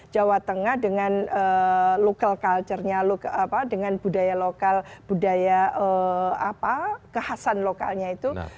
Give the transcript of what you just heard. jawa tengah dengan local culture nya dengan budaya lokal budaya kekhasan lokalnya itu